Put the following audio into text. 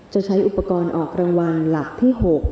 จะใช้อุปกรณ์ออกรางวัลหลักที่๖